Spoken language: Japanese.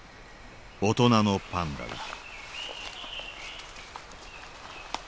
大人のパンダだ